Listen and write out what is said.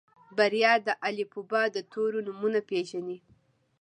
بريا د الفبا د تورو نومونه پېژني.